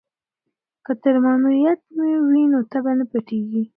که ترمامیتر وي نو تبه نه پټیږي.